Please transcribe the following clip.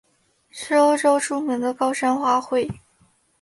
是欧洲著名的高山花卉。